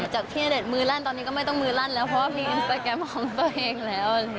จากที่ณเดชน์มือลั่นตอนนี้ก็ไม่ต้องมือลั่นแล้วเพราะว่ามีอินสตาแกรมของตัวเองแล้ว